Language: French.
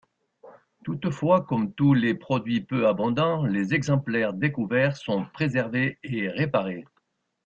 Toutefois, comme tous les produits peu abondants, les exemplaires découverts sont préservés, et réparés.